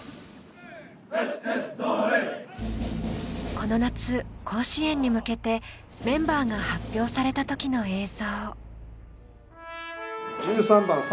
この夏、甲子園に向けてメンバーが発表されたときの映像。